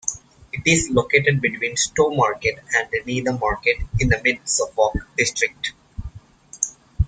It is located between Stowmarket and Needham Market, in the Mid Suffolk district.